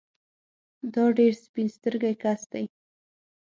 دا ډېر سپين سترګی کس دی